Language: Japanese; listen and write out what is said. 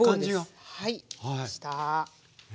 はいできました。